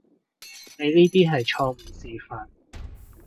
你呢啲係錯誤示範